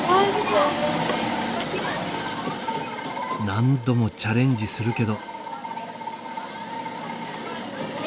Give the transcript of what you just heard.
何度もチャレンジするけど。